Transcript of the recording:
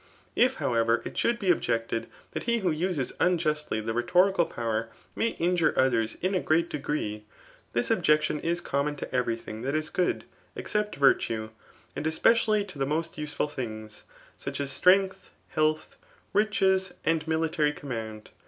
If, however, it should be objected that he who uses unjustly the rhetorical power, may injure others in a great degree, this objection is common to erery thing that is good, except virtue, and especially to the most useful things, such as strength, health, richM, and nili^ tary command.